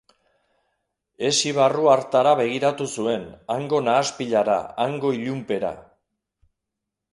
Hesi barru hartara begiratu zuen, hango nahaspilara, hango ilunpera.